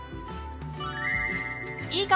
いいかも！